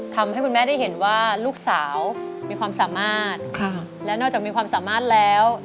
ทำให้คุณแม่ได้เห็นว่าลูกสาวมีความสามารถและนอกจากมีความสามารถแล้ว